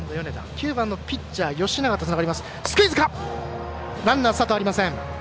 ９番のピッチャー吉永とつながります。